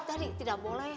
tadi tidak boleh